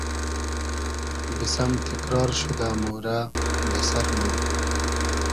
بیسئم تیکرار شودۂ مۉرۂ دۂ سئر مۉ